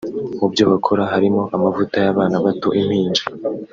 Mu byo bakora harimo ; amavuta y’Abana bato (impinja)